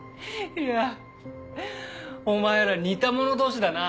いやお前ら似た者同士だな！